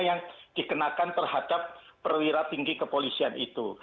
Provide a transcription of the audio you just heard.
yang dikenakan terhadap perwira tinggi kepolisian itu